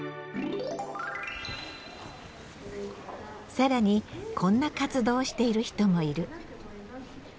更にこんな活動をしている人もいる。